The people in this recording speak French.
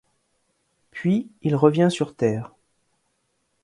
Puis il revient sur Terre.